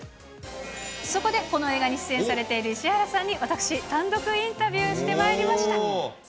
そこでこの映画に出演されている石原さんに私、単独インタビューしてまいりました。